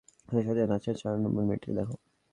দ্বিতীয় সারিতে নাচা চার নম্বর মেয়েটাকে দেখো।